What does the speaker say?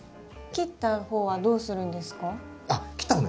切った方はどうするんですか？